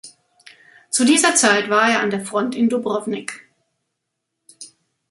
Zu dieser Zeit war er an der Front in Dubrovnik.